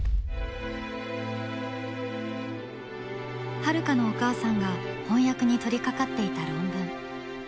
ハルカのお母さんが翻訳に取りかかっていた論文。